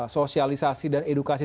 sosialisasi dan edukasi